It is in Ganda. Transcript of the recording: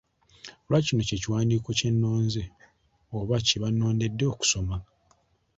Lwaki kino kye kiwandiiko kye nnonze oba kye bannondedde okusoma?